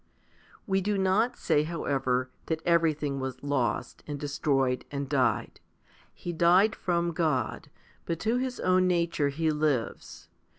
2. We do not say, however, that everything was lost, and destroyed, and died. He died from God, but to his own nature he lives.